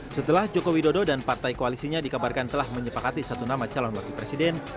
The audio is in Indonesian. setelah joko widodo dan partai koalisinya dikabarkan telah menyepakati satu nama calon wakil presiden